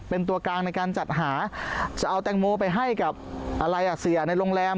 เป็นตัวกลางในการจัดหาจะเอาแตงโมไปให้กับอะไรอ่ะเสียในโรงแรม